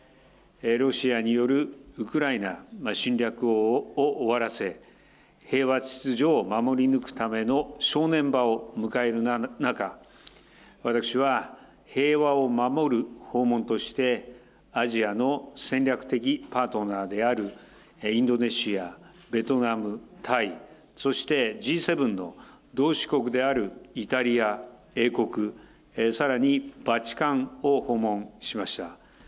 ロシアによるウクライナ侵略を終わらせ、平和秩序を守り抜くための正念場を迎える中、私は平和を守る訪問として、アジアの戦略的パートナーであるインドネシア、ベトナム、タイ、そしてＧ７の同志国であるイタリア、英国、さらにバチカンを訪問しました。